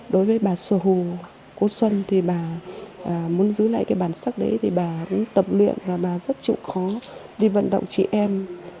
đối với bà sở hữu của xuân thì bà muốn giữ lại cái bản sắc đấy thì bà cũng tập luyện và bà rất chịu khó đi vận động chị em